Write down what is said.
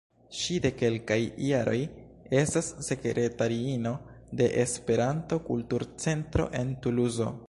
Ŝi de kelkaj jaroj estas sekretariino de Esperanto-Kultur-Centro en Tuluzo.